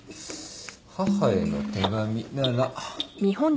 母への手紙なら。